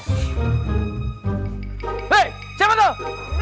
hei siapa tuh